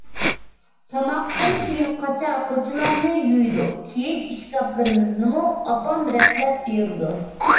تاماقتىن كېيىن قاچا-قۇچىلارنى يۇيىدۇ. كىيىم ئىشكاپلىرىمىزنىمۇ ئاپام رەتلەپ بېرىدۇ.